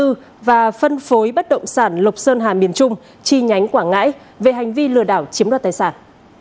nguyên giám đốc công ty cổ phần đầu tư và phân phối bất động sản lộc sơn hà miền trung chi nhánh quảng ngãi về hành vi lừa đảo chiếm đoạt tài sản